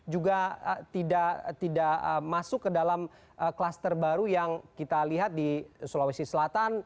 juga tidak masuk ke dalam kluster baru yang kita lihat di sulawesi selatan